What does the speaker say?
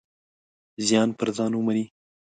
زیان پر ځان ومني.